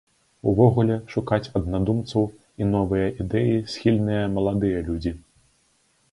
Увогуле, шукаць аднадумцаў і новыя ідэі схільныя маладыя людзі.